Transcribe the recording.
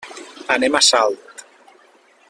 Anem a Salt.